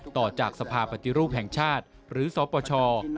ต่อจากสภาปฏิรูปแห่งชาติหรือสปช